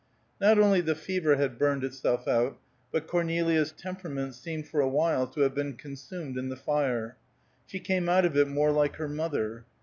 Not only the fever had burned itself out, but Cornelia's temperament seemed for awhile to have been consumed in the fire. She came out of it more like her mother.